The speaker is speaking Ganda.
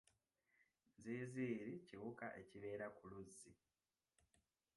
Nziiziiri kiwuka ekibeera ku luzzi.